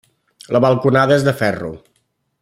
La balconada és de ferro.